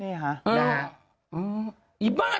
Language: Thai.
นี่ฮะอีบ้า